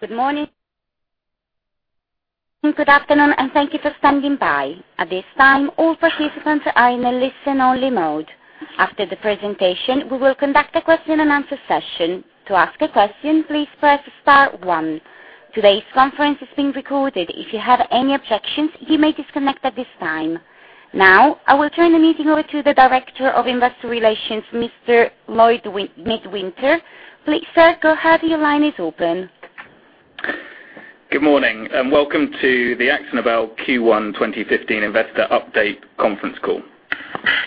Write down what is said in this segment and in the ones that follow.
Good morning, good afternoon, and thank you for standing by. At this time, all participants are in a listen-only mode. After the presentation, we will conduct a question-and-answer session. To ask a question, please press star one. Today's conference is being recorded. If you have any objections, you may disconnect at this time. Now, I will turn the meeting over to the Director of Investor Relations, Mr. Lloyd Midwinter. Please, sir, go ahead. Your line is open. Good morning, and welcome to the AkzoNobel Q1 2015 Investor Update conference call.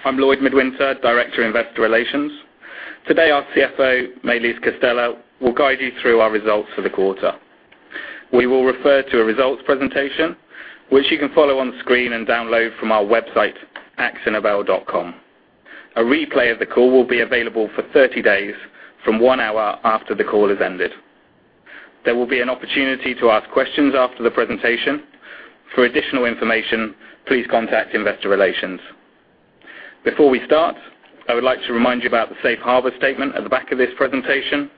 I'm Lloyd Midwinter, Director of Investor Relations. Today, our CFO, Maëlys Castella, will guide you through our results for the quarter. We will refer to a results presentation, which you can follow on screen and download from our website, akzonobel.com. A replay of the call will be available for 30 days from one hour after the call has ended. There will be an opportunity to ask questions after the presentation. For additional information, please contact Investor Relations. Before we start, I would like to remind you about the safe harbor statement at the back of this presentation.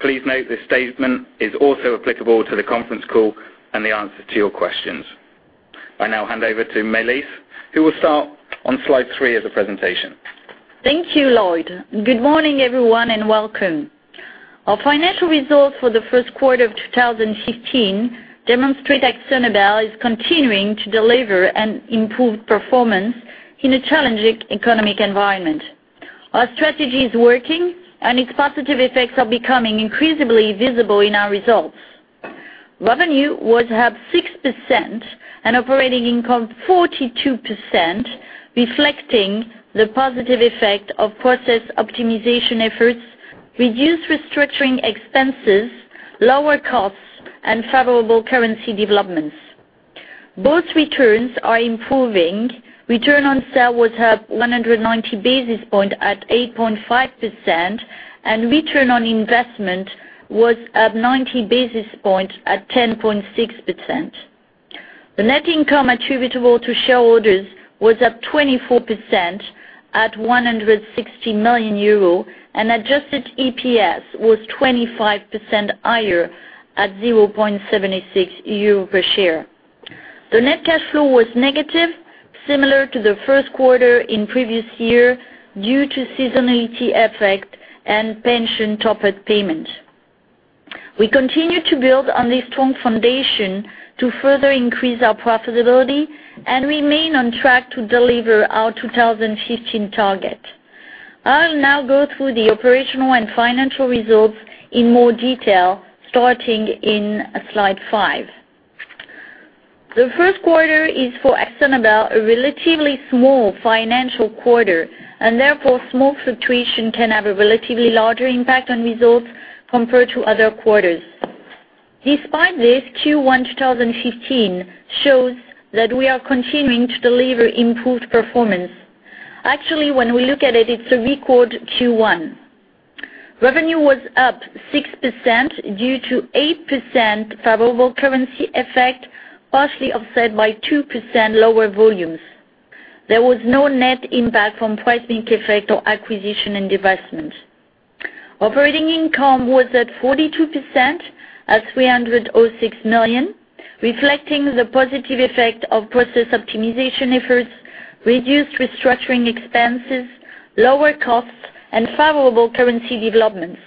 Please note this statement is also applicable to the conference call and the answers to your questions. I now hand over to Maëlys, who will start on slide three of the presentation. Thank you, Lloyd. Good morning, everyone, and welcome. Our financial results for the first quarter of 2015 demonstrate AkzoNobel is continuing to deliver an improved performance in a challenging economic environment. Our strategy is working, and its positive effects are becoming increasingly visible in our results. Revenue was up 6% and operating income 42%, reflecting the positive effect of process optimization efforts, reduced restructuring expenses, lower costs, and favorable currency developments. Both returns are improving. Return on Sales was up 190 basis points at 8.5%, and Return on Investment was up 90 basis points at 10.6%. The net income attributable to shareholders was up 24% at 160 million euro, and adjusted EPS was 25% higher at 0.76 euro per share. The net cash flow was negative, similar to the first quarter in previous year due to seasonality effect and pension TOP-UP payment. We continue to build on this strong foundation to further increase our profitability and remain on track to deliver our 2015 target. I'll now go through the operational and financial results in more detail, starting in slide five. The first quarter is for AkzoNobel, a relatively small financial quarter, and therefore, small fluctuation can have a relatively larger impact on results compared to other quarters. Despite this, Q1 2015 shows that we are continuing to deliver improved performance. Actually, when we look at it's a record Q1. Revenue was up 6% due to 8% favorable currency effect, partially offset by 2% lower volumes. There was no net impact from pricing effect or acquisition and divestment. Operating income was at 42% at 306 million, reflecting the positive effect of process optimization efforts, reduced restructuring expenses, lower costs, and favorable currency developments.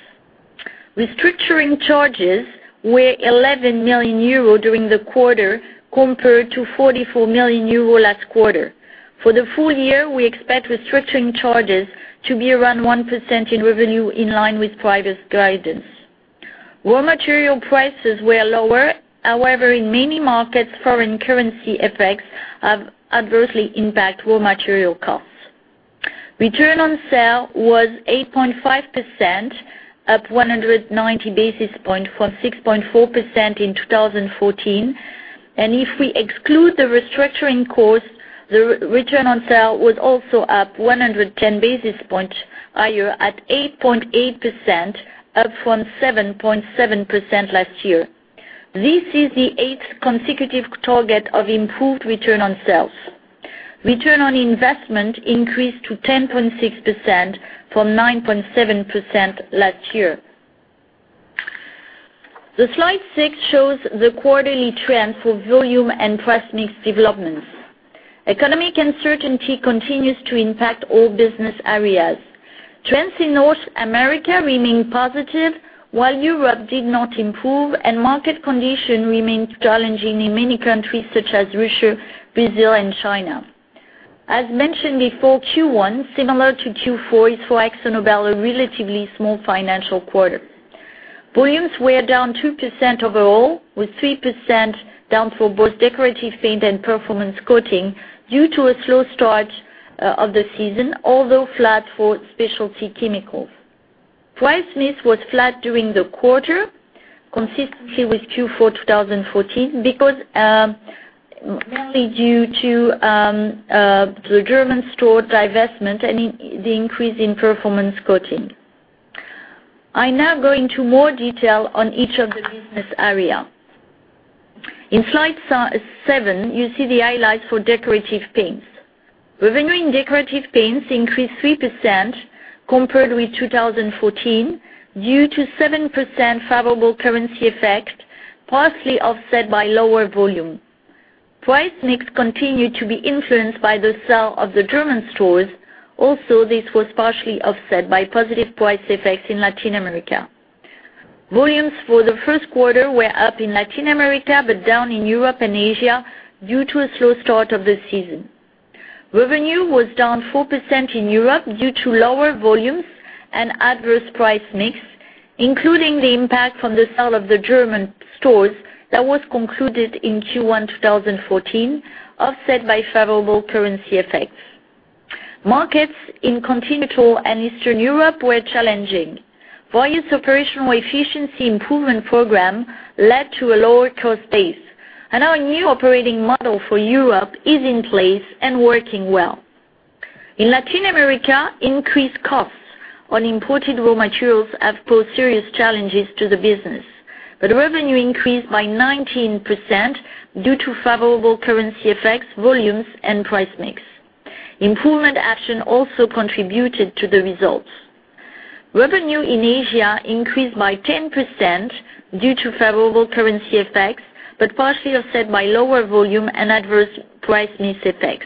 Restructuring charges were 11 million euro during the quarter compared to 44 million euro last quarter. For the full year, we expect restructuring charges to be around 1% in revenue in line with previous guidance. Raw material prices were lower. However, in many markets, foreign currency effects have adversely impacted raw material costs. Return on Sales was 8.5%, up 190 basis points from 6.4% in 2014. If we exclude the restructuring costs, the Return on Sales was also up 110 basis points higher at 8.8%, up from 7.7% last year. This is the eighth consecutive target of improved Return on Sales. Return on Investment increased to 10.6% from 9.7% last year. The slide six shows the quarterly trend for volume and price mix developments. Economic uncertainty continues to impact all business areas. Trends in North America remain positive, while Europe did not improve, and market condition remains challenging in many countries such as Russia, Brazil, and China. As mentioned before, Q1, similar to Q4, is for AkzoNobel, a relatively small financial quarter. Volumes were down 2% overall, with 3% down for both Decorative Paints and Performance Coatings due to a slow start of the season, although flat for Specialty Chemicals. Price mix was flat during the quarter, consistently with Q4 2014, mainly due to the German stores divestment and the increase in Performance Coatings. I now go into more detail on each of the business area. In slide seven, you see the highlights for Decorative Paints. Revenue in Decorative Paints increased 3% compared with 2014, due to 7% favorable currency effect, partially offset by lower volume. Price mix continued to be influenced by the sale of the German stores. This was partially offset by positive price effects in Latin America. Volumes for the first quarter were up in Latin America, but down in Europe and Asia due to a slow start of the season. Revenue was down 4% in Europe due to lower volumes and adverse price mix, including the impact from the sale of the German stores that was concluded in Q1 2014, offset by favorable currency effects. Markets in Continental and Eastern Europe were challenging. Various operational efficiency improvement program led to a lower cost base, and our new operating model for Europe is in place and working well. In Latin America, increased costs on imported raw materials have posed serious challenges to the business. Revenue increased by 19% due to favorable currency effects, volumes, and price mix. Improvement action also contributed to the results. Revenue in Asia increased by 10% due to favorable currency effects, partially offset by lower volume and adverse price mix effects.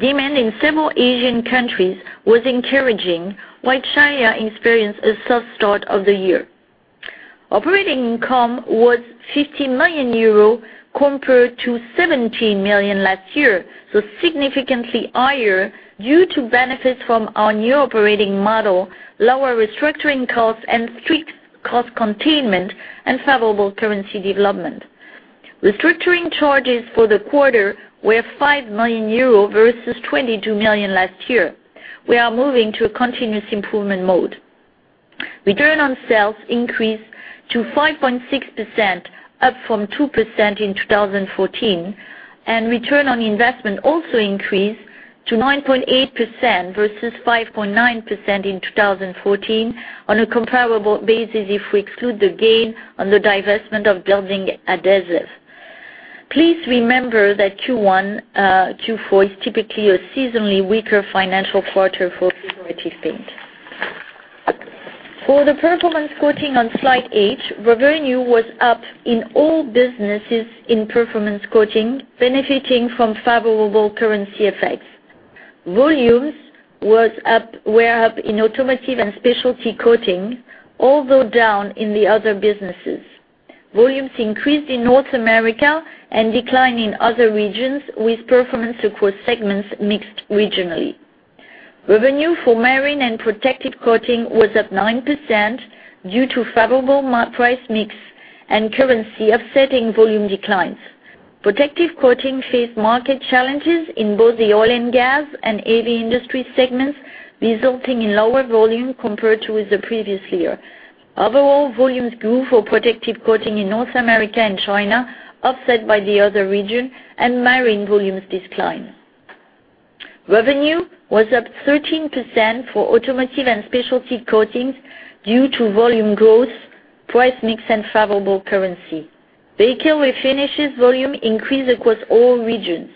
Demand in several Asian countries was encouraging, while China experienced a slow start of the year. Operating income was 50 million euro compared to 17 million last year, significantly higher due to benefits from our new operating model, lower restructuring costs, strict cost containment, and favorable currency development. Restructuring charges for the quarter were 5 million euros versus 22 million last year. We are moving to a continuous improvement mode. Return on Sales increased to 5.6%, up from 2% in 2014, and Return on Investment also increased to 9.8% versus 5.9% in 2014 on a comparable basis if we exclude the gain on the divestment of Building Adhesives. Please remember that Q4 is typically a seasonally weaker financial quarter for Decorative Paints. For the Performance Coatings on slide eight, revenue was up in all businesses in Performance Coatings, benefiting from favorable currency effects. Volumes were up in Automotive and Specialty Coatings, although down in the other businesses. Volumes increased in North America and declined in other regions, with performance across segments mixed regionally. Revenue for Marine and Protective Coatings was up 9% due to favorable price mix and currency offsetting volume declines. Protective Coatings faced market challenges in both the oil and gas and Aviation industry segments, resulting in lower volume compared to the previous year. Overall, volumes grew for Protective Coatings in North America and China, offset by the other region and Marine volumes decline. Revenue was up 13% for Automotive and Specialty Coatings due to volume growth, price mix, and favorable currency. Vehicle Refinishes volume increased across all regions.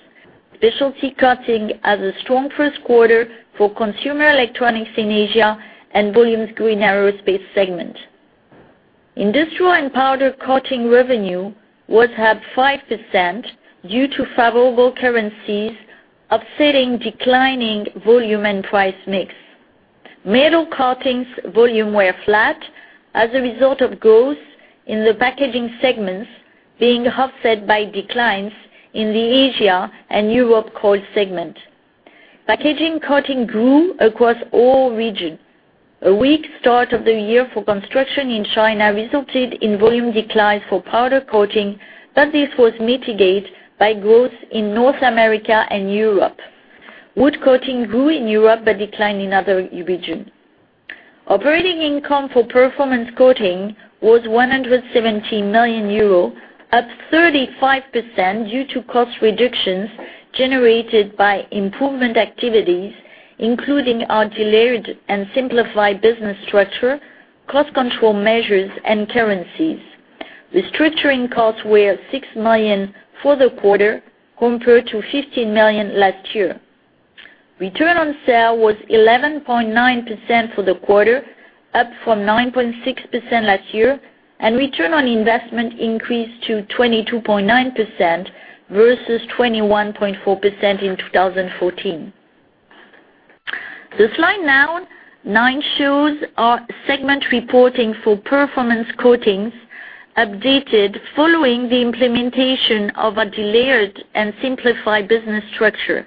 Specialty Coatings has a strong first quarter for consumer electronics in Asia and volumes grew in Aerospace segment. Industrial and Powder Coatings revenue was up 5% due to favorable currencies offsetting declining volume and price mix. Metal Coatings volumes were flat as a result of growth in the packaging segments being offset by declines in the Asia and Europe core segment. Packaging Coatings grew across all regions. A weak start of the year for construction in China resulted in volume declines for Powder Coatings, but this was mitigated by growth in North America and Europe. Wood Coatings grew in Europe but declined in other regions. Operating income for Performance Coatings was 117 million euro, up 35% due to cost reductions generated by improvement activities, including our delayered and simplified business structure, cost control measures, and currencies. Restructuring costs were 6 million for the quarter compared to 15 million last year. Return on Sales was 11.9% for the quarter, up from 9.6% last year, and Return on Investment increased to 22.9% versus 21.4% in 2014. The slide nine shows our segment reporting for Performance Coatings updated following the implementation of a delayered and simplified business structure.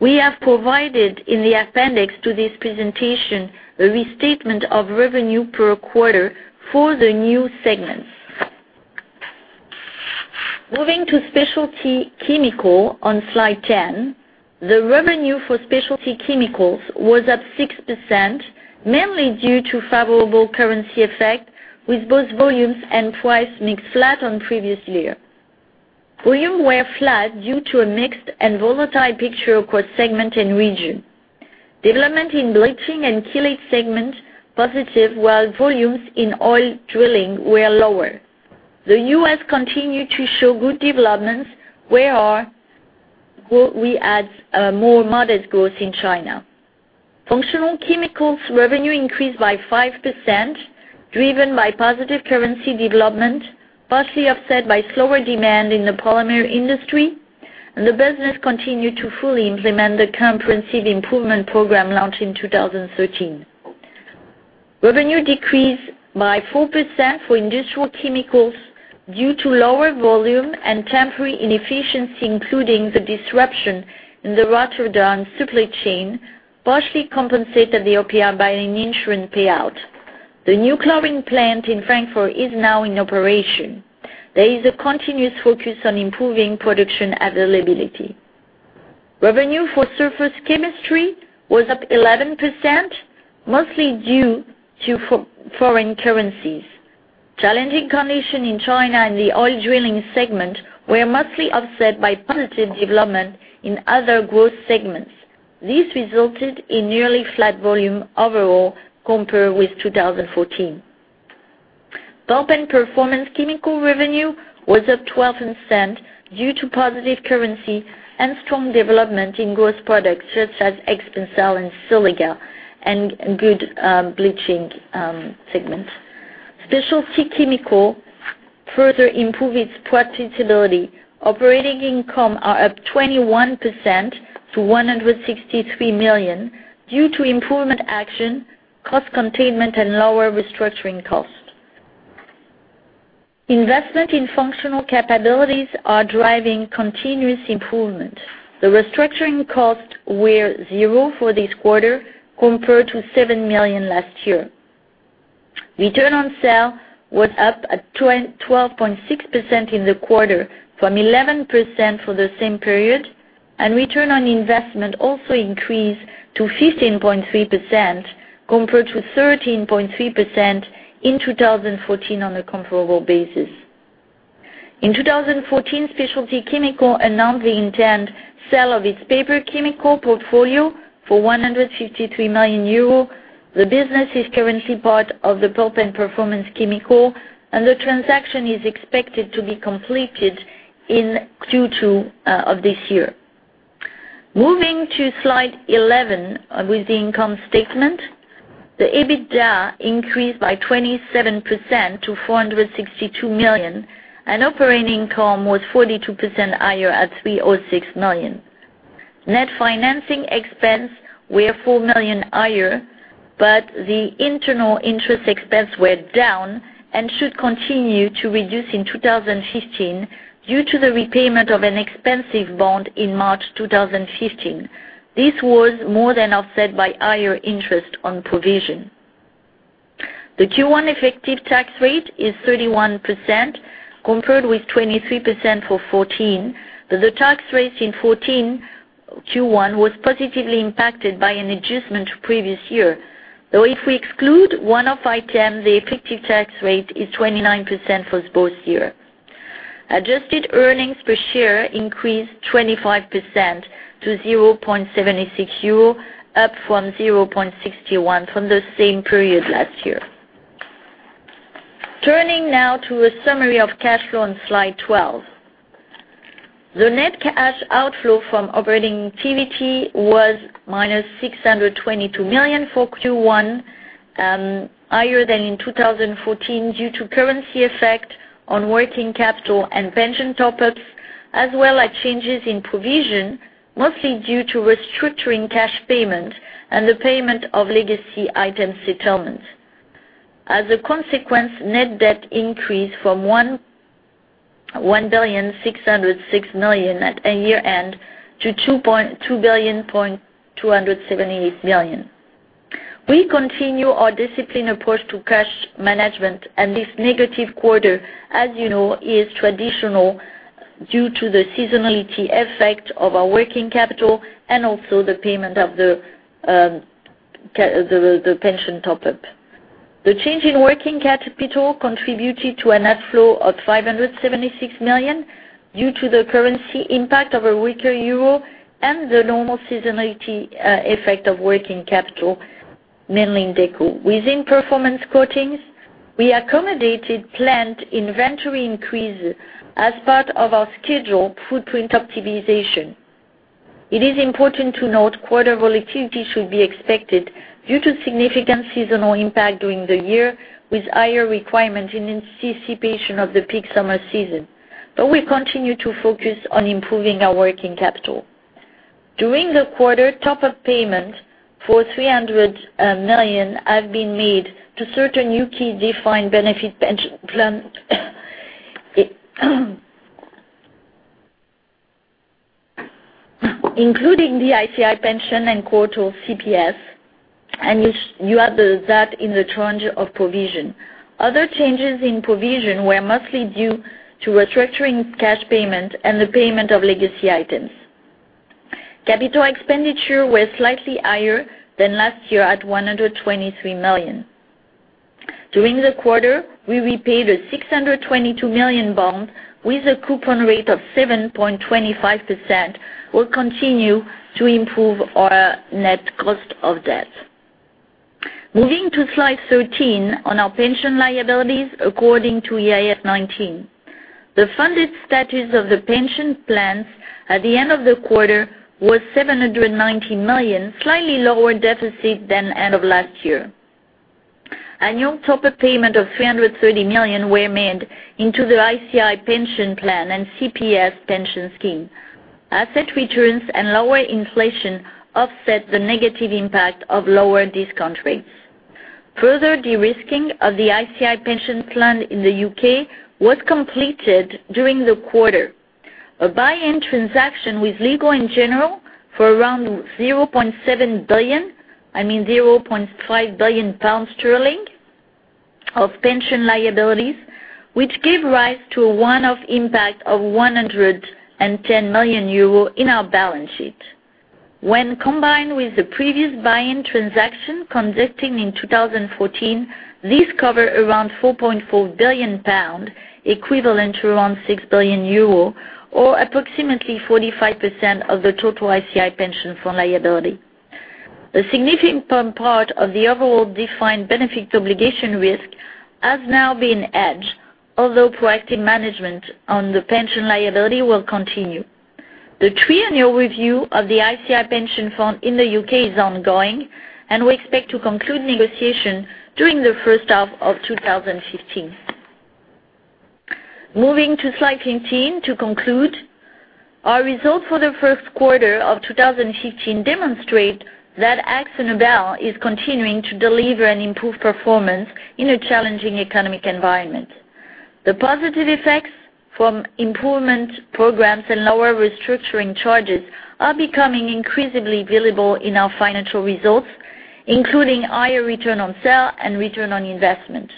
We have provided in the appendix to this presentation a restatement of revenue per quarter for the new segments. Moving to Specialty Chemicals on slide 10, the revenue for Specialty Chemicals was up 6%, mainly due to favorable currency effect, with both volumes and price mix flat on previous year. Volumes were flat due to a mixed and volatile picture across segment and region. Development in bleaching and silicate segment positive, while volumes in oil drilling were lower. The U.S. continued to show good developments, where we had more modest growth in China. Functional Chemicals revenue increased by 5%, driven by positive currency development, partially offset by slower demand in the polymer industry. The business continued to fully implement the comprehensive improvement program launched in 2013. Revenue decreased by 4% for Industrial Chemicals due to lower volume and temporary inefficiency, including the disruption in the Rotterdam supply chain, partially compensated the OPI by an insurance payout. The new chlorine plant in Frankfurt is now in operation. There is a continuous focus on improving production availability. Revenue for Surface Chemistry was up 11%, mostly due to foreign currencies. Challenging condition in China and the oil drilling segment were mostly offset by positive development in other growth segments. This resulted in nearly flat volume overall compared with 2014. Pulp and Performance Chemicals revenue was up 12% due to positive currency and strong development in growth products such as Expancel and Silica and good bleaching segment. Specialty Chemicals further improve its profitability. Operating income are up 21% to 163 million due to improvement action, cost containment and lower restructuring costs. Investment in functional capabilities are driving continuous improvement. The restructuring costs were zero for this quarter compared to 7 million last year. Return on Sales was up at 12.6% in the quarter from 11% for the same period, and Return on Investment also increased to 15.3% compared to 13.3% in 2014 on a comparable basis. In 2014, Specialty Chemicals announced the intent sell of its paper chemical portfolio for 153 million euros. The business is currently part of the Pulp and Performance Chemicals, and the transaction is expected to be completed in Q2 of this year. Moving to slide 11 with the income statement. The EBITDA increased by 27% to 462 million, and operating income was 42% higher at 306 million. Net financing expense were 4 million higher, but the internal interest expense were down and should continue to reduce in 2015 due to the repayment of an expensive bond in March 2015. This was more than offset by higher interest on provision. The Q1 effective tax rate is 31% compared with 23% for 2014, but the tax rate in 2014 Q1 was positively impacted by an adjustment to previous year. If we exclude one-off item, the effective tax rate is 29% for both year. Adjusted earnings per share increased 25% to 0.76 euro, up from 0.61 from the same period last year. Turning now to a summary of cash flow on slide 12. The net cash outflow from operating activity was minus 622 million for Q1, higher than in 2014 due to currency effect on working capital and pension TOP-UPs, as well as changes in provision, mostly due to restructuring cash payment and the payment of legacy item settlement. As a consequence, net debt increased from 1,606 million at a year-end to 2,278 million. We continue our disciplined approach to cash management and this negative quarter, as you know, is traditional due to the seasonality effect of our working capital and also the payment of the pension TOP-UP. The change in working capital contributed to a net flow of 576 million due to the currency impact of a weaker EUR and the normal seasonality effect of working capital, mainly in Deco. Within Performance Coatings, we accommodated planned inventory increase as part of our scheduled footprint optimization. It is important to note quarter volatility should be expected due to significant seasonal impact during the year, with higher requirement in anticipation of the peak summer season. We continue to focus on improving our working capital. During the quarter, TOP-UP payment for 300 million have been made to certain U.K. defined benefit pension plan. Including the ICI Pension and Courtaulds CPS. You add that in the change of provision. Other changes in provision were mostly due to restructuring cash payment and the payment of legacy items. Capital expenditure was slightly higher than last year at 123 million. During the quarter, we repaid a 622 million bond with a coupon rate of 7.25%, will continue to improve our net cost of debt. Moving to slide 13 on our pension liabilities, according to IAS 19. The funded status of the pension plans at the end of the quarter was 790 million, slightly lower deficit than end of last year. Annual TOP-UP payment of 330 million were made into the ICI Pension Fund and CPS pension scheme. Asset returns and lower inflation offset the negative impact of lower discount rates. Further de-risking of the ICI Pension Fund in the U.K. was completed during the quarter. A buy-in transaction with Legal & General for around 0.7 billion, I mean 0.5 billion pounds of pension liabilities, which give rise to a one-off impact of 110 million euro in our balance sheet. When combined with the previous buy-in transaction conducting in 2014, these cover around 4.4 billion pounds, equivalent to around 6 billion euro, or approximately 45% of the total ICI Pension Fund liability. The significant part of the overall defined benefits obligation risk has now been hedged, although proactive management on the pension liability will continue. The triennial review of the ICI Pension Fund in the U.K. is ongoing, and we expect to conclude negotiation during the first half of 2015. Moving to slide 15 to conclude. Our results for the first quarter of 2015 demonstrate that AkzoNobel is continuing to deliver an improved performance in a challenging economic environment. The positive effects from improvement programs and lower restructuring charges are becoming increasingly visible in our financial results, including higher Return on Sales and Return on Investment.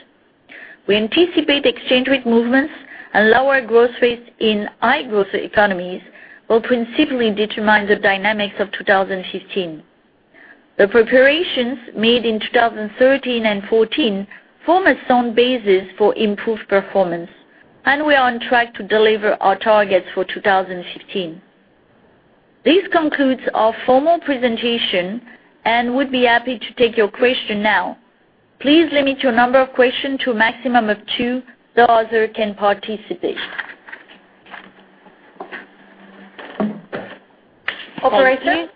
We anticipate exchange rate movements and lower growth rates in high-growth economies will principally determine the dynamics of 2015. The preparations made in 2013 and 2014 form a sound basis for improved performance, and we are on track to deliver our targets for 2015. This concludes our formal presentation. We'd be happy to take your question now. Please limit your number of question to a maximum of two so others can participate. Operator?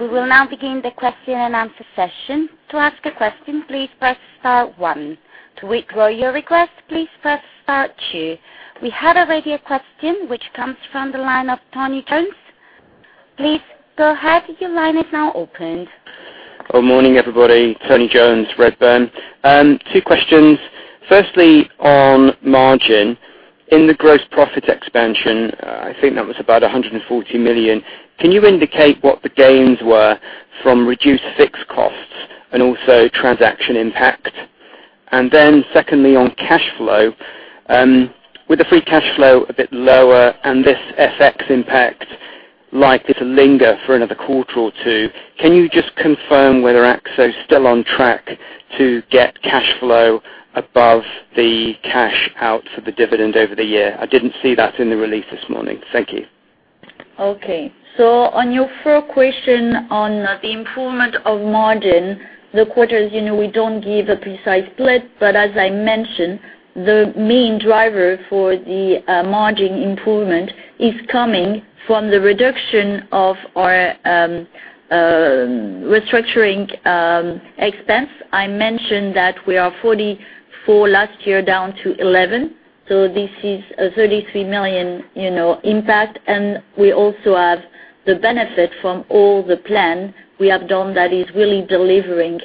We will now begin the question and answer session. To ask a question, please press star one. To withdraw your request, please press star two. We have an audio question which comes from the line of Tony Jones. Please go ahead. Your line is now opened. Good morning, everybody. Tony Jones, Redburn. Two questions. Firstly, on margin, in the gross profit expansion, I think that was about 140 million, can you indicate what the gains were from reduced fixed costs and also transaction impact? Secondly, on cash flow, with the free cash flow a bit lower and this FX impact likely to linger for another quarter or two, can you just confirm whether AkzoNobel's still on track to get cash flow above the cash out for the dividend over the year? I didn't see that in the release this morning. Thank you. Okay. On your first question on the improvement of margin, the quarters, we don't give a precise split, but as I mentioned, the main driver for the margin improvement is coming from the reduction of our restructuring expense. I mentioned that we are 44 million last year down to 11 million. This is a 33 million impact, and we also have the benefit from all the plan we have done that is really delivering.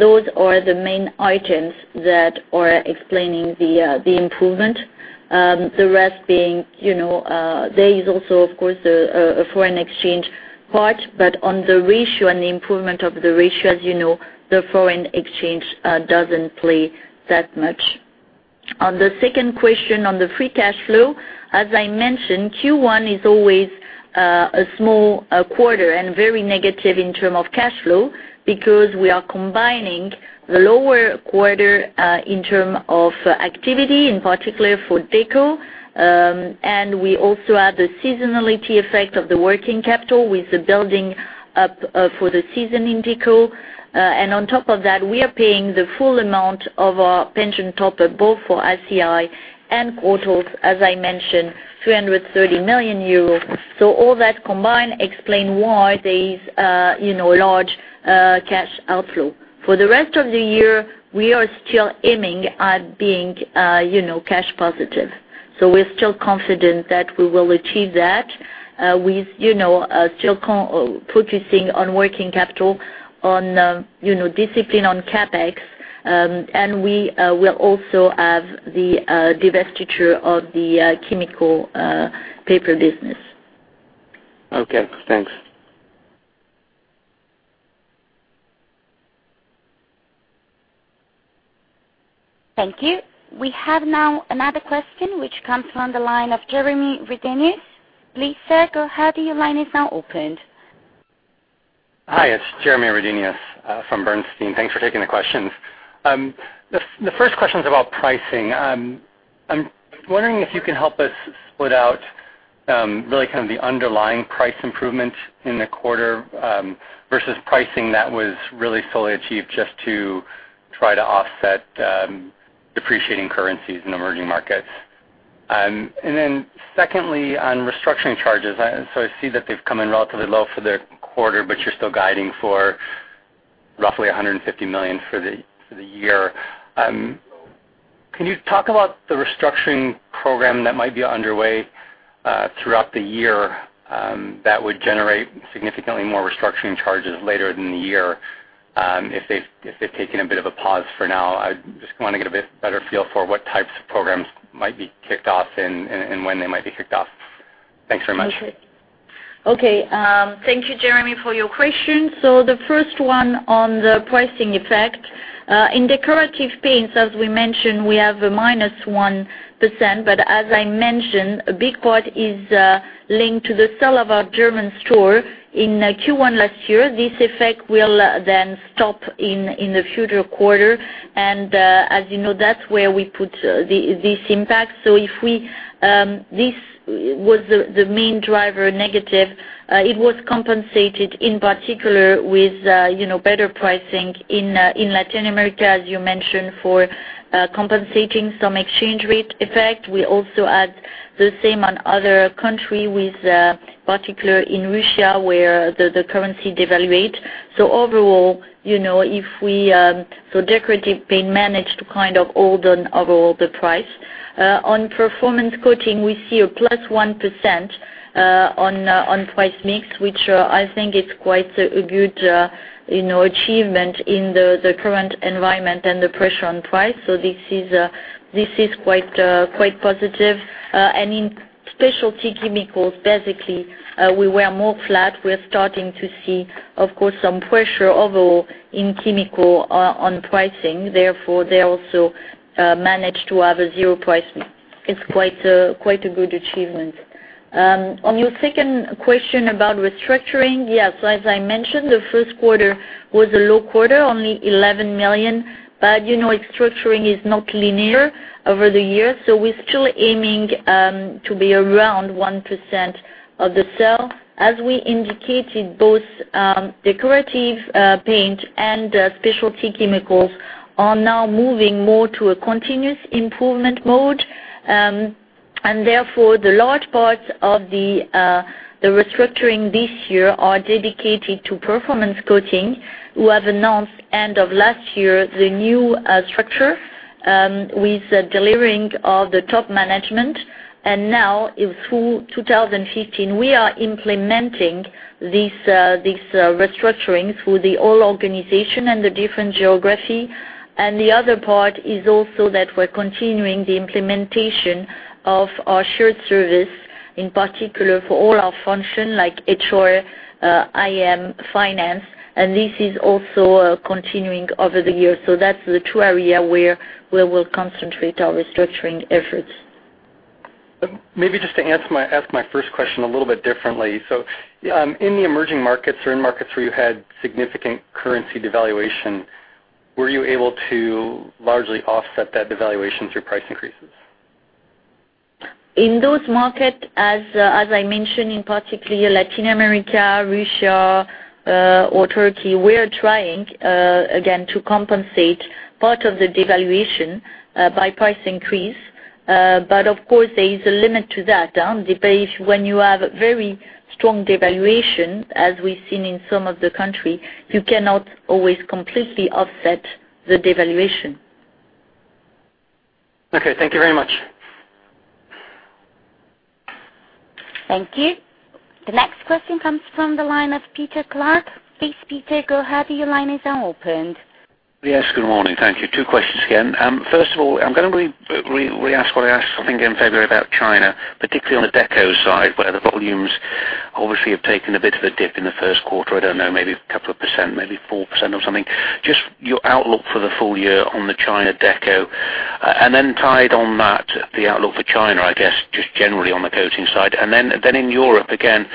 Those are the main items that are explaining the improvement. There is also, of course, a foreign exchange part, but on the ratio and the improvement of the ratio, as you know, the foreign exchange doesn't play that much. On the second question on the free cash flow, as I mentioned, Q1 is always a small quarter and very negative in terms of cash flow because we are combining lower quarter in terms of activity, in particular for Deco. We also have the seasonality effect of the working capital with the building up for the season in Deco. On top of that, we are paying the full amount of our pension TOP-UP, both for ICI and Courtaulds, as I mentioned, 330 million euros. All that combined explain why there is a large cash outflow. For the rest of the year, we are still aiming at being cash positive. We are still focusing on working capital on discipline on CapEx, and we will also have the divestiture of the chemical paper business. Okay, thanks. Thank you. We have now another question, which comes from the line of Jeremy Redenius. Please, sir, go ahead. Your line is now opened. Hi, it's Jeremy Redenius from Bernstein. Thanks for taking the questions. The first question's about pricing. I'm wondering if you can help us split out really the underlying price improvements in the quarter versus pricing that was really solely achieved just to try to offset depreciating currencies in emerging markets. Secondly, on restructuring charges, I see that they've come in relatively low for the quarter, but you're still guiding for roughly 150 million for the year. Can you talk about the restructuring program that might be underway throughout the year that would generate significantly more restructuring charges later in the year? If they've taken a bit of a pause for now, I just want to get a bit better feel for what types of programs might be kicked off and when they might be kicked off. Thanks very much. Okay. Thank you, Jeremy, for your question. The first one on the pricing effect. In Decorative Paints, as we mentioned, we have a minus 1%, but as I mentioned, a big part is linked to the sell of our German stores in Q1 last year. This effect will stop in the future quarter. As you know, that's where we put this impact. This was the main driver negative. It was compensated, in particular, with better pricing in Latin America, as you mentioned, for compensating some exchange rate effect. We also had the same on other country with particular in Russia, where the currency devaluate. Overall, Decorative Paint managed to kind of hold on overall the price. On Performance Coatings, we see a plus 1% on price mix, which I think is quite a good achievement in the current environment and the pressure on price. This is quite positive. In Specialty Chemicals, basically, we were more flat. We're starting to see, of course, some pressure overall in chemical on pricing. They also managed to have a zero price mix. It's quite a good achievement. On your second question about restructuring, yes, as I mentioned, the first quarter was a low quarter, only 11 million. Restructuring is not linear over the years, we're still aiming to be around 1% of the sale. As we indicated, both Decorative Paints and Specialty Chemicals are now moving more to a continuous improvement mode. The large parts of the restructuring this year are dedicated to Performance Coatings. We have announced end of last year the new structure with delayering of the top management, and now through 2015, we are implementing these restructuring through the whole organization and the different geography. The other part is also that we're continuing the implementation of our shared service, in particular for all our function like HR, IT, finance, and this is also continuing over the years. That's the two area where we will concentrate our restructuring efforts. Maybe just to ask my first question a little bit differently. In the emerging markets or in markets where you had significant currency devaluation, were you able to largely offset that devaluation through price increases? In those market, as I mentioned, particularly Latin America, Russia, or Turkey, we're trying again to compensate part of the devaluation by price increase. Of course, there is a limit to that. When you have very strong devaluation, as we've seen in some of the country, you cannot always completely offset the devaluation. Okay. Thank you very much. Thank you. The next question comes from the line of Peter Clark. Please, Peter, go ahead. Your line is now opened. Yes, good morning. Thank you. Two questions again. First of all, I'm going to reask what I asked I think in February about China, particularly on the Deco side, where the volumes obviously have taken a bit of a dip in the first quarter. I don't know, maybe a couple of percent, maybe 4% or something. Just your outlook for the full year on the China Deco. Tied on that, the outlook for China, I guess, just generally on the coating side. In Europe, again,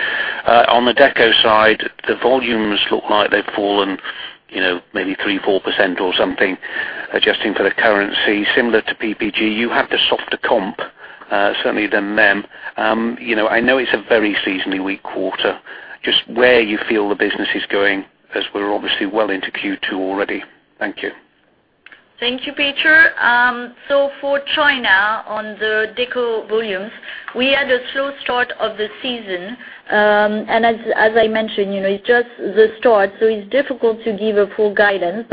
on the Deco side, the volumes look like they've fallen maybe 3%, 4% or something, adjusting for the currency similar to PPG. You have the softer comp certainly than them. I know it's a very seasonally weak quarter, just where you feel the business is going as we're obviously well into Q2 already. Thank you. Thank you, Peter. For China, on the Deco volumes, we had a slow start of the season. As I mentioned, it's just the start, so it's difficult to give a full guidance.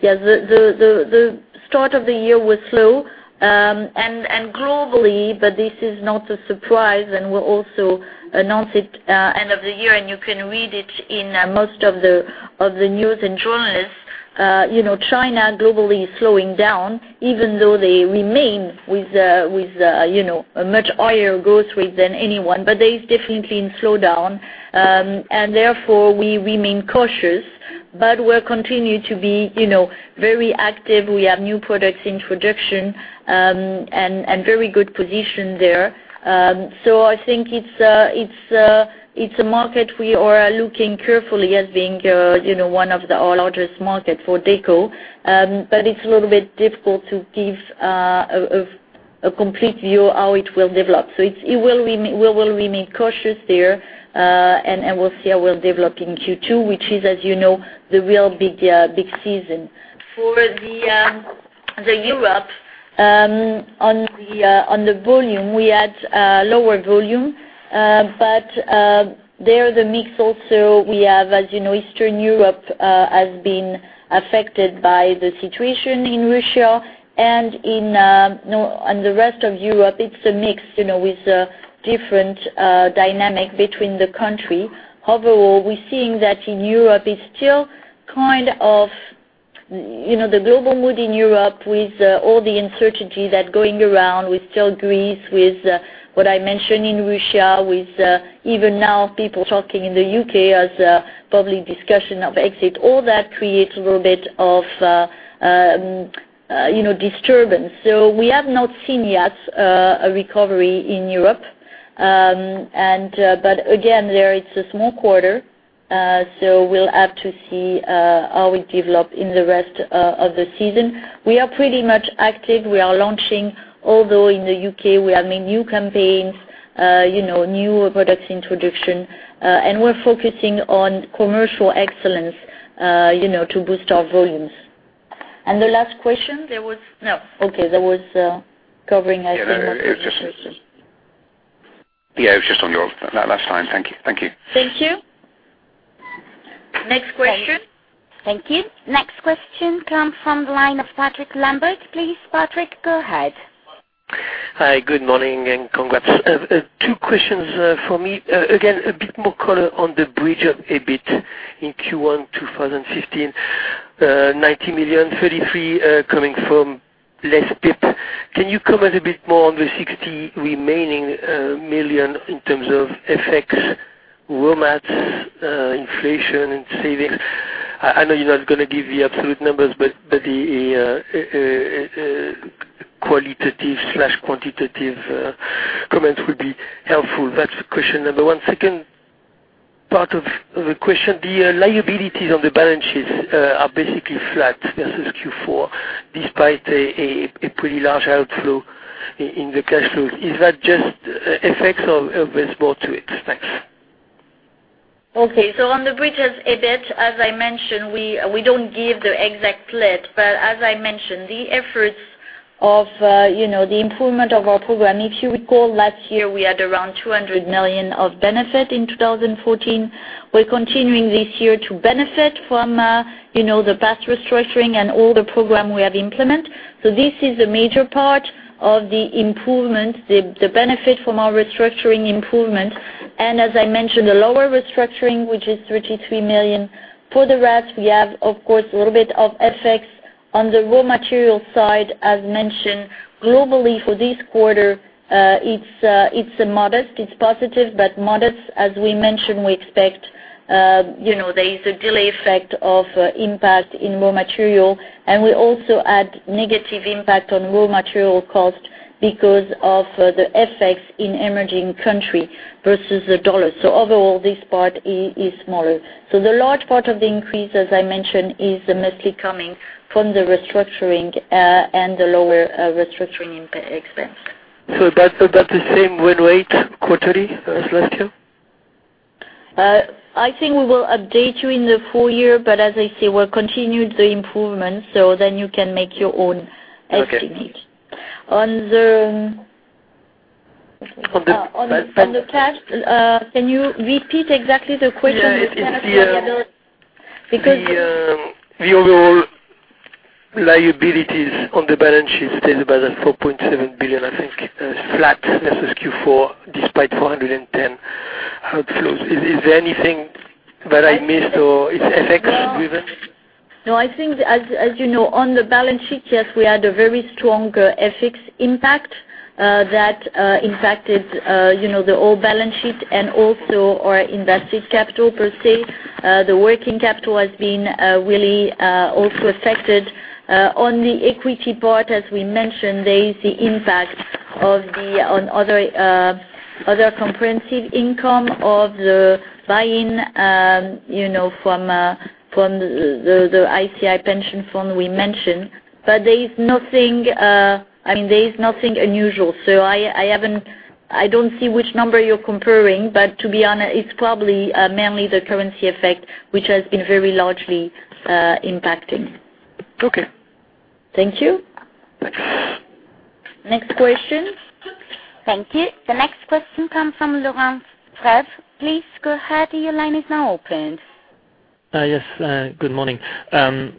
Yeah, the start of the year was slow and globally, but this is not a surprise, and we'll also announce it end of the year, and you can read it in most of the news and journalists. China globally is slowing down, even though they remain with a much higher growth rate than anyone, but they definitely in slowdown. Therefore, we remain cautious. We'll continue to be very active. We have new product introduction and very good position there. I think it's a market we are looking carefully as being one of our largest market for Deco. It's a little bit difficult to give a complete view of how it will develop. We will remain cautious there, and we'll see how it will develop in Q2, which is, as you know, the real big season. For Europe, on the volume, we had lower volume. There the mix also we have, as you know, Eastern Europe has been affected by the situation in Russia. In the rest of Europe, it's a mix with different dynamic between the country. Overall, we're seeing that in Europe, the global mood in Europe with all the uncertainty that going around with still Greece, with what I mentioned in Russia, with even now people talking in the U.K. as a public discussion of exit. All that creates a little bit of disturbance. We have not seen yet a recovery in Europe. Again, there it's a small quarter. We'll have to see how it develop in the rest of the season. We are pretty much active. We are launching, although in the U.K., we have made new campaigns, new product introduction. We're focusing on commercial excellence to boost our volumes. The last question? There was no. Okay. That's fine. Thank you. Thank you. Next question. Thank you. Next question comes from the line of Patrick Lambert. Please, Patrick, go ahead. Hi, good morning and congrats. Two questions for me. A bit more color on the bridge of EBIT in Q1 2015. 90 million, 33 million coming from less PIP. Can you comment a bit more on the 60 million remaining in terms of FX, raw mats, inflation, and savings? I know you're not going to give the absolute numbers, but the qualitative/quantitative comments would be helpful. That's question number one. Second part of the question, the liabilities on the balance sheets are basically flat versus Q4, despite a pretty large outflow in the cash flow. Is that just FX or there's more to it? Thanks. Okay. On the bridge of EBIT, as I mentioned, we don't give the exact split. As I mentioned, the efforts of the improvement of our program, if you recall, last year, we had around 200 million of benefit in 2014. We're continuing this year to benefit from the past restructuring and all the program we have implement. This is a major part of the benefit from our restructuring improvement. As I mentioned, the lower restructuring, which is 33 million. For the rest, we have, of course, a little bit of FX on the raw material side. As mentioned, globally for this quarter, it's modest. It's positive but modest. As we mentioned, there is a delay effect of impact in raw material, and we also had negative impact on raw material cost because of the FX in emerging country versus the U.S. dollar. Overall, this part is smaller. The large part of the increase, as I mentioned, is mostly coming from the restructuring and the lower restructuring expense. About the same run rate quarterly as last year? I think we will update you in the full year, as I say, we'll continue the improvement, you can make your own estimate. Okay. On the cash, can you repeat exactly the question? Yeah. The overall liabilities on the balance sheet stands about at 4.7 billion, I think, flat versus Q4, despite 410 outflows. Is there anything that I missed or it's FX driven? I think as you know, on the balance sheet, yes, we had a very strong FX impact that impacted the whole balance sheet and also our invested capital per se. The working capital has been really also affected. On the equity part, as we mentioned, there is the impact on other comprehensive income of the buy-in from the ICI Pension Fund we mentioned. There is nothing unusual. I don't see which number you're comparing, to be honest, it's probably mainly the currency effect, which has been very largely impacting. Okay. Thank you. Thanks. Next question. Thank you. The next question comes from Laurent Favre. Please go ahead. Your line is now open. Yes. Good morning.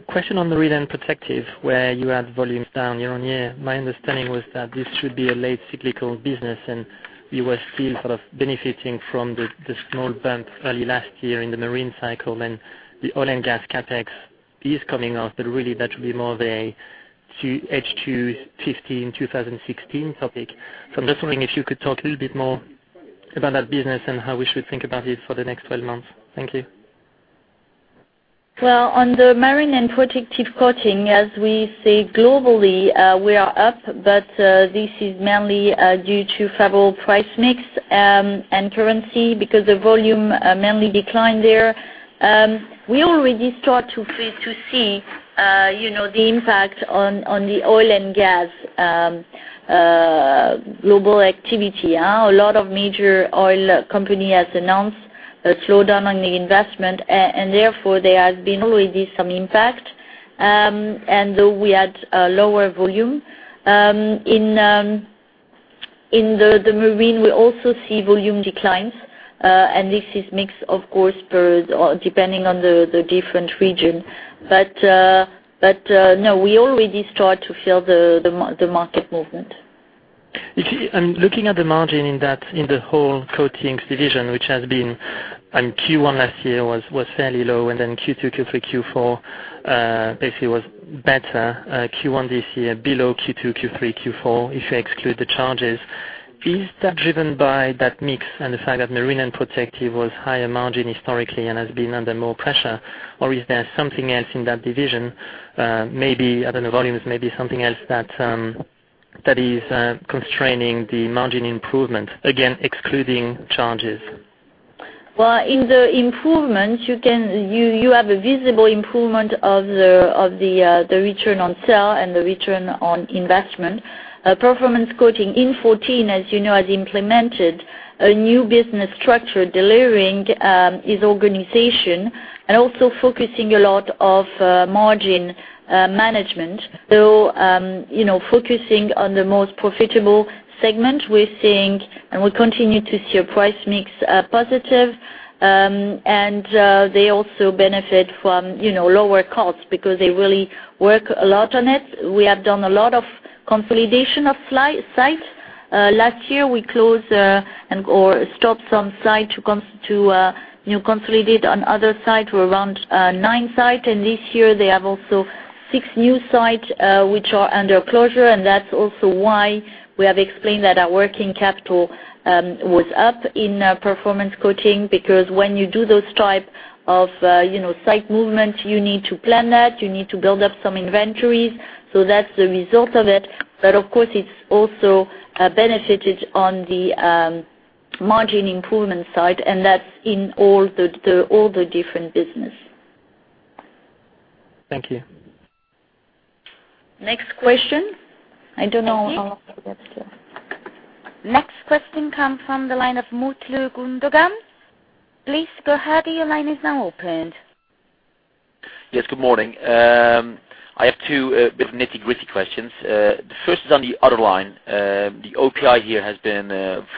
Question on the Marine and Protective Coatings, where you had volumes down year-on-year. My understanding was that this should be a late cyclical business, and you were still sort of benefiting from the small bump early last year in the marine cycle. The oil and gas CapEx is coming off, but really that should be more of a H2 2015, 2016 topic. I'm just wondering if you could talk a little bit more about that business and how we should think about it for the next 12 months. Thank you. Well, on the Marine and Protective Coatings, as we say, globally, we are up. This is mainly due to favorable price mix and currency, because the volume mainly declined there. We already start to see the impact on the oil and gas global activity. A lot of major oil company has announced a slowdown on the investment, and therefore, there has been already some impact. Though we had a lower volume. In the marine, we also see volume declines. This is mixed, of course, depending on the different region. No, we already start to feel the market movement. I'm looking at the margin in the whole coatings division, which has been, in Q1 last year was fairly low. Q2, Q3, Q4, basically was better. Q1 this year below Q2, Q3, Q4, if you exclude the charges. Is that driven by that mix and the fact that Marine and Protective Coatings was higher margin historically and has been under more pressure? Is there something else in that division, maybe, I don't know, volumes, maybe something else that is constraining the margin improvement, again, excluding charges? Well, in the improvement, you have a visible improvement of the Return on Sales and the Return on Investment. Performance Coatings in 2014, as you know, has implemented a new business structure, delivering its organization and also focusing a lot of margin management. Focusing on the most profitable segment, we're seeing, and we continue to see, a price mix positive. They also benefit from lower costs because they really work a lot on it. We have done a lot of consolidation of sites. Last year, we closed or stopped some site to consolidate on other site to around nine sites. This year they have also six new sites which are under closure, and that's also why we have explained that our working capital was up in Performance Coatings, because when you do those type of site movement, you need to plan that. You need to build up some inventories. That's the result of it. Of course, it's also benefited on the margin improvement side, and that's in all the different business. Thank you. Next question. I don't know. Next question comes from the line of Mutlu Gundogan. Please go ahead. Your line is now opened. Yes, good morning. I have two bit nitty-gritty questions. The first is on the other line. The OPI here has been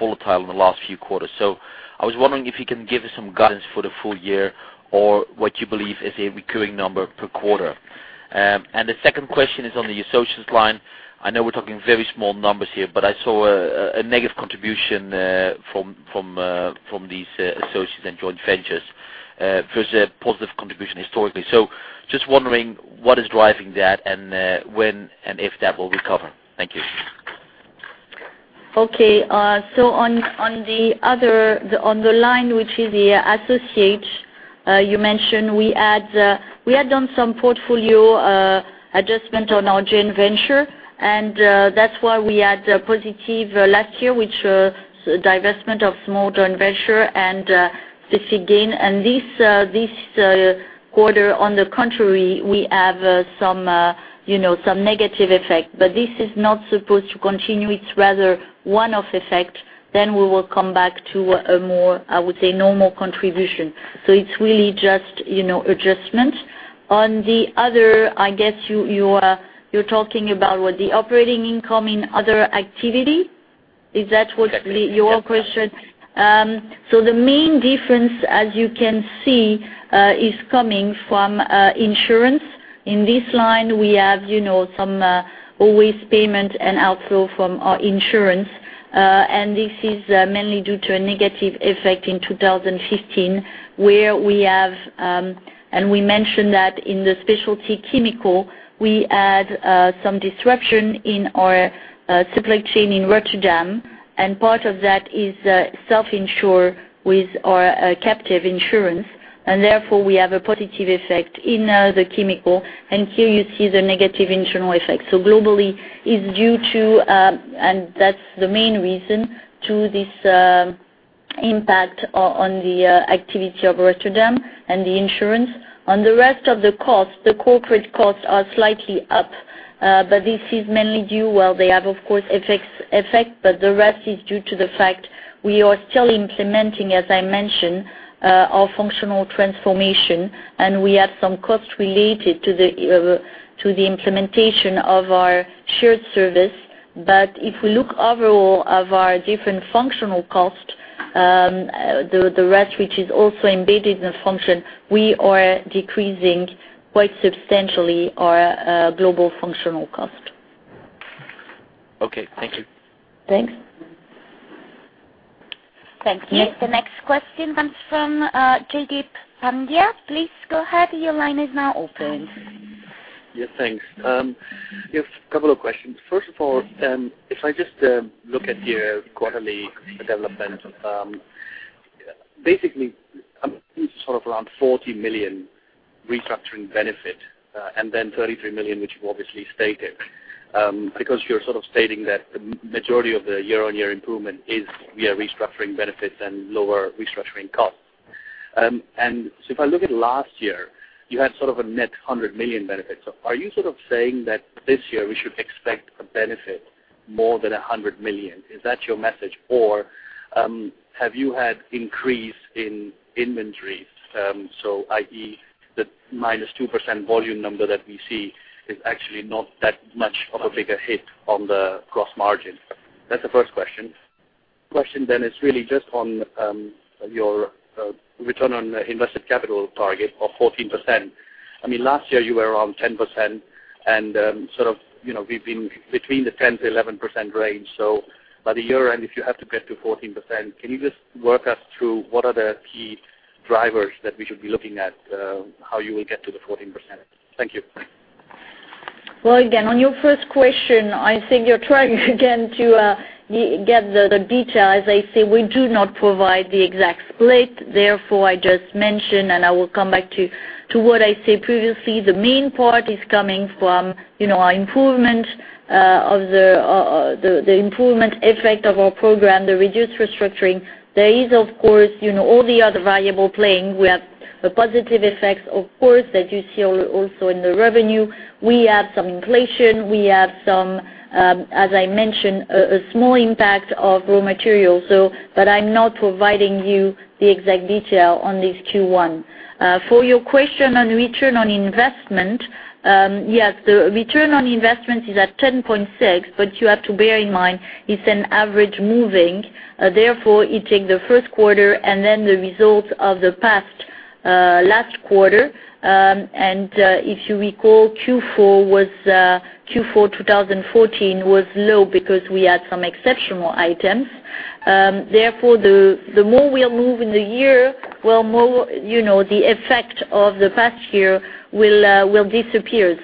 volatile in the last few quarters. I was wondering if you can give us some guidance for the full year or what you believe is a recurring number per quarter. The second question is on the associates line. I know we're talking very small numbers here, but I saw a negative contribution from these associates and joint ventures. There's a positive contribution historically. Just wondering what is driving that and when and if that will recover. Thank you. On the line, which is the associates you mentioned, we had done some portfolio adjustment on our joint venture, That's why we had positive last year, which was divestment of small joint venture and this gain. This quarter, on the contrary, we have some negative effect, but this is not supposed to continue. It's rather one-off effect. We will come back to a more, I would say, normal contribution. It's really just adjustment. On the other, I guess you're talking about what the operating income in other activity, is that what your question? Exactly, yeah. The main difference, as you can see, is coming from insurance. In this line, we have some always payment and outflow from our insurance. This is mainly due to a negative effect in 2015, where we have, we mentioned that in the Specialty Chemicals, we had some disruption in our supply chain in Rotterdam, and part of that is self-insured with our captive insurance. Therefore, we have a positive effect in the chemical. Here you see the negative internal effect. Globally is due to, and that's the main reason to this impact on the activity of Rotterdam and the insurance. On the rest of the cost, the corporate costs are slightly up. This is mainly due, well, they have of course effect, but the rest is due to the fact we are still implementing, as I mentioned, our functional transformation, and we have some costs related to the implementation of our shared service. If we look overall of our different functional costs, the rest which is also embedded in the function, we are decreasing quite substantially our global functional cost. Okay. Thank you. Thanks. Thank you. The next question comes from Jaideep Pandya. Please go ahead. Your line is now opened. Yes, thanks. A couple of questions. First of all, if I just look at your quarterly development, basically, it's sort of around 40 million restructuring benefit, and then 33 million, which you've obviously stated, because you're sort of stating that the majority of the year-over-year improvement is via restructuring benefits and lower restructuring costs. If I look at last year, you had sort of a net 100 million benefit. Are you sort of saying that this year we should expect a benefit more than 100 million? Is that your message, or have you had increase in inventory? I.e., the -2% volume number that we see is actually not that much of a bigger hit on the gross margin. That's the first question. Question then is really just on your return on invested capital target of 14%. Last year you were around 10% and sort of we've been between the 10%-11% range. By the year-end, if you have to get to 14%, can you just work us through what are the key drivers that we should be looking at, how you will get to the 14%? Thank you. Well, again, on your first question, I think you're trying again to get the detail. As I say, we do not provide the exact split. I just mentioned, and I will come back to what I said previously, the main part is coming from our improvement effect of our program to reduce restructuring. There is, of course, all the other variables playing with the positive effects, of course, that you see also in the revenue. We have some inflation. We have some, as I mentioned, a small impact of raw materials. I'm not providing you the exact detail on this Q1. For your question on Return on Investment, yes, the Return on Investment is at 10.6, you have to bear in mind it's an average moving, therefore it takes the first quarter and then the results of the past last quarter. If you recall, Q4 2014 was low because we had some exceptional items. The more we are moving the year, the effect of the past year will disappear.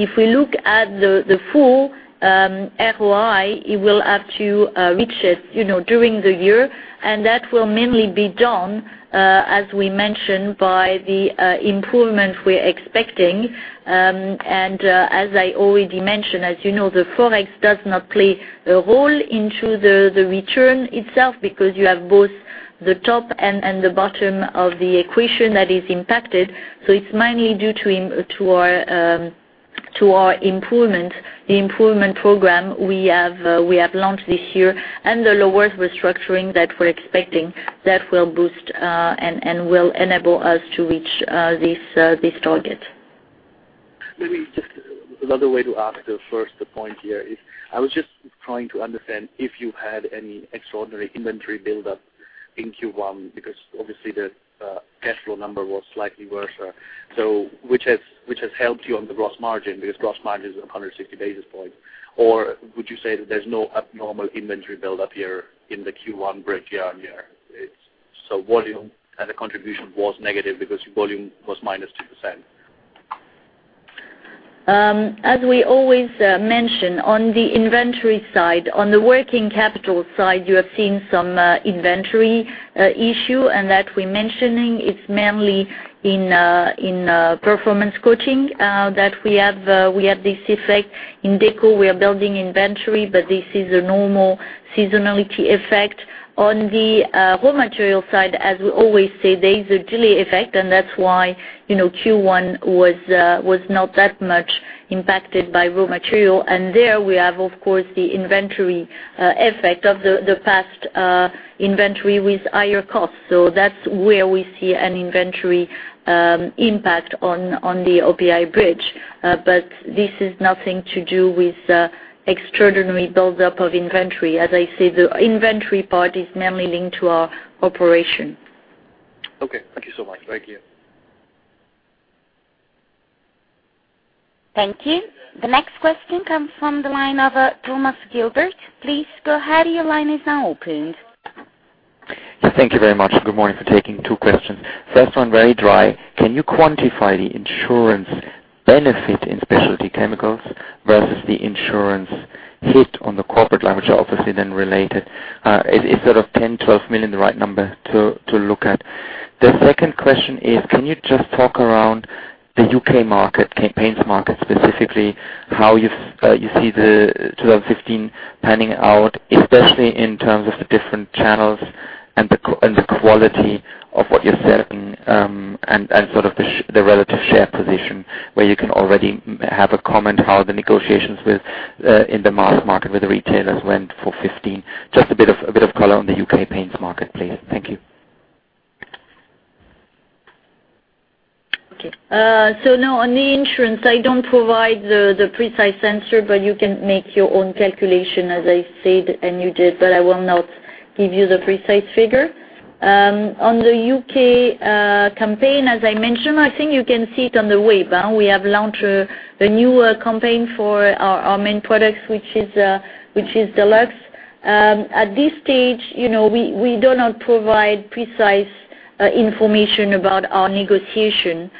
If we look at the full ROI, it will have to reach during the year, and that will mainly be done, as we mentioned, by the improvement we're expecting. As I already mentioned, as you know, the ForEx does not play a role into the return itself because you have both the top and the bottom of the equation that is impacted. It's mainly due to our improvement, the improvement program we have launched this year and the lower restructuring that we're expecting that will boost and will enable us to reach this target. Maybe just another way to ask the first point here is, I was just trying to understand if you had any extraordinary inventory buildup in Q1, because obviously the cash flow number was slightly worse, which has helped you on the gross margin because gross margin is 160 basis points. Would you say that there's no abnormal inventory buildup here in the Q1 bridge year-over-year? Volume as a contribution was negative because your volume was minus 2%. As we always mention on the inventory side, on the working capital side, you have seen some inventory issue and that we're mentioning it's mainly in Performance Coatings that we have this effect. In Deco, we are building inventory, this is a normal seasonality effect. On the raw material side, as we always say, there is a delay effect, and that's why Q1 was not that much impacted by raw material. There we have, of course, the inventory effect of the past inventory with higher costs. That's where we see an inventory impact on the OPI bridge. This has nothing to do with extraordinary buildup of inventory. As I said, the inventory part is mainly linked to our operation. Okay. Thank you so much. Thank you. Thank you. The next question comes from the line of Thomas Wrigglesworth. Please go ahead. Your line is now open. Thank you very much. Good morning for taking two questions. First one, very dry. Can you quantify the insurance benefit in Specialty Chemicals versus the insurance hit on the [corporate language], obviously then related? Is sort of 10 million, 12 million the right number to look at? The second question is, can you just talk around the U.K. market, paints market specifically, how you see 2015 panning out, especially in terms of the different channels and the quality of what you're selling, and sort of the relative share position, where you can already have a comment how the negotiations in the mass market with the retailers went for 2015? Just a bit of color on the U.K. paints market, please. Thank you. Okay. No, on the insurance, I don't provide the precise answer, but you can make your own calculation, as I said, and you did, but I will not give you the precise figure. On the U.K. campaign, as I mentioned, I think you can see it on the web. We have launched the new campaign for our main products, which is Dulux. At this stage, we do not provide precise information about our negotiation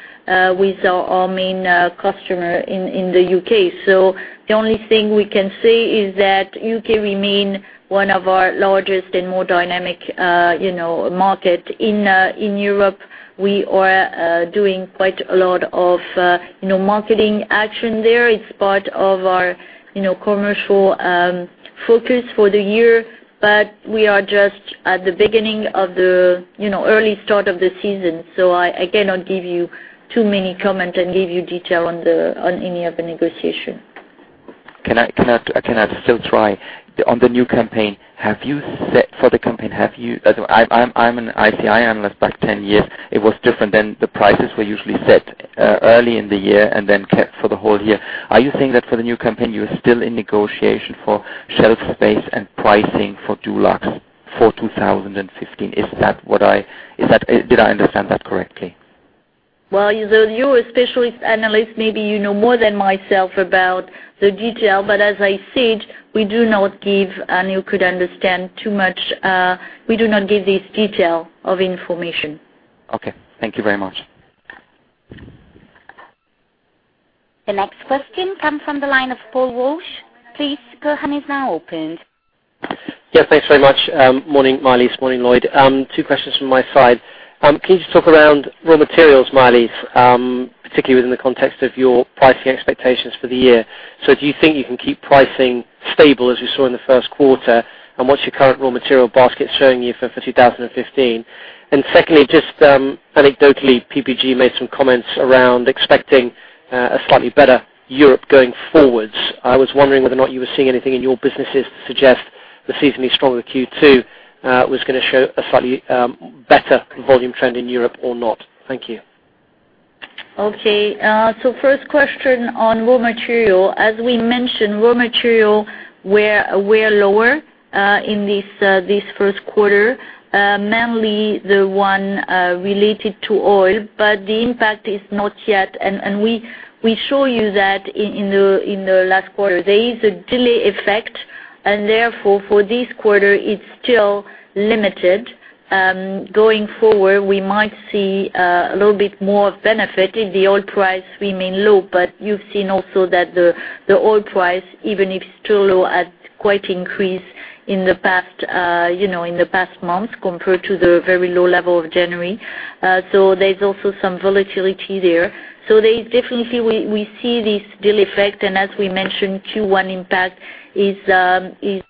with our main customer in the U.K. The only thing we can say is that U.K. remains one of our largest and more dynamic market in Europe. We are doing quite a lot of marketing action there. It's part of our commercial focus for the year, but we are just at the beginning of the early start of the season. I cannot give you too many comments and give you detail on any of the negotiation. Can I still try? On the new campaign, I'm an ICI analyst back 10 years. It was different then. The prices were usually set early in the year and then kept for the whole year. Are you saying that for the new campaign, you are still in negotiation for shelf space and pricing for Dulux for 2015? Did I understand that correctly? Well, you're a specialist analyst. Maybe you know more than myself about the detail, but as I said, we do not give, and you could understand too much. We do not give this detail of information. Okay. Thank you very much. The next question comes from the line of Paul Walsh. Please, your line is now open. Yeah. Thanks very much. Morning, Maëlys. Morning, Lloyd. Two questions from my side. Can you just talk around raw materials, Maëlys, particularly within the context of your pricing expectations for the year? Do you think you can keep pricing stable as you saw in the first quarter, and what's your current raw material basket showing you for 2015? Secondly, just anecdotally, PPG made some comments around expecting a slightly better Europe going forward. I was wondering whether or not you were seeing anything in your businesses to suggest the seasonally stronger Q2 was going to show a slightly better volume trend in Europe or not. Thank you. Okay. First question on raw material. As we mentioned, raw material were lower in this first quarter, mainly the one related to oil, the impact is not yet, and we show you that in the last quarter. There is a delay effect, therefore for this quarter, it's still limited. Going forward, we might see a little bit more of benefit if the oil price remains low. You've seen also that the oil price, even if still low, has quite increased in the past months compared to the very low level of January. There's also some volatility there. Definitely, we see this delay effect, as we mentioned, Q1 impact is